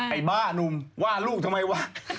บ้านุ่มว่าลูกทำไมวะ